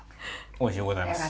おいしゅうございます。